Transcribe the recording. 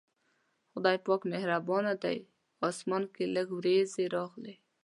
خدای پاک مهربانه دی، اسمان کې لږې وريځې راغلې.